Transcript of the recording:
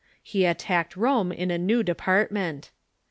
He attacked Rome in a new department.